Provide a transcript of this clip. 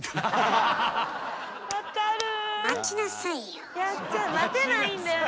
待ちなさいよ。